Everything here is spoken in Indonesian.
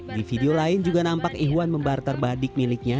di video lain juga nampak ihwan membarter badik miliknya